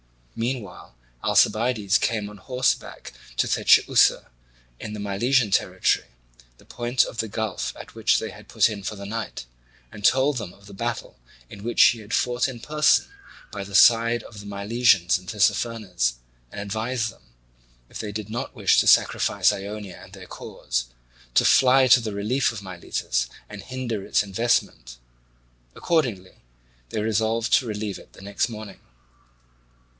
Meanwhile Alcibiades came on horseback to Teichiussa in the Milesian territory, the point of the gulf at which they had put in for the night, and told them of the battle in which he had fought in person by the side of the Milesians and Tissaphernes, and advised them, if they did not wish to sacrifice Ionia and their cause, to fly to the relief of Miletus and hinder its investment. Accordingly they resolved to relieve it the next morning.